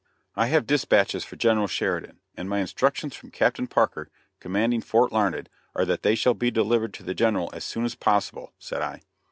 "I have dispatches for General Sheridan, and my instructions from Captain Parker, commanding Fort Larned, are that they shall be delivered to the General as soon as possible," said I.